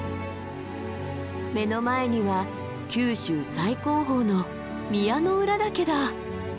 目の前には九州最高峰の宮之浦岳だ。